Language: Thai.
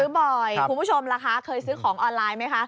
บ่อยคุณผู้ชมล่ะคะเคยซื้อของออนไลน์ไหมคะ